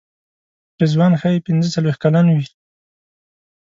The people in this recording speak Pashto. رضوان ښایي پنځه څلوېښت کلن وي.